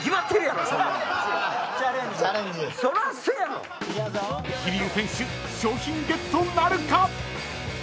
［桐生選手商品ゲットなるか］